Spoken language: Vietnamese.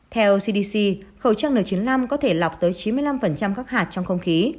theo cdc khẩu trang n chín mươi năm có thể lọc tới chín mươi năm các hạt trong không khí